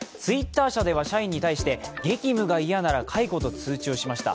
Ｔｗｉｔｔｅｒ社では社員に対して、激務が嫌なら解雇と通知しました。